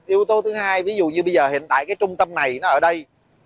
yếu tố thứ hai ví dụ như bây giờ hiện tại cái trung tâm này nó ở đây